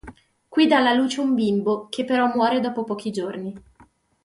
Qui dà alla luce un bimbo che però muore dopo pochi giorni.